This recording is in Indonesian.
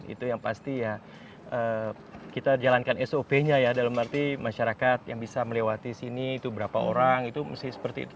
itu yang pasti ya kita jalankan sop nya ya dalam arti masyarakat yang bisa melewati sini itu berapa orang itu mesti seperti itu